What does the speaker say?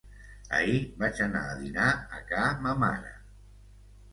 Ahir vaig anar a dinar a ca ma mare.